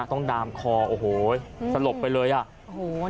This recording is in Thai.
ต้องดามคอโอ้โหสลบไปเลยอ่ะโอ้โห